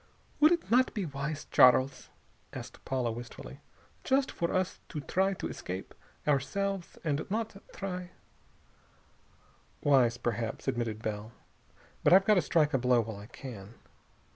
"Would it not be wise, Charles," asked Paula wistfully, "just for us to try to escape, ourselves, and not try " "Wise, perhaps," admitted Bell, "but I've got to strike a blow while I can."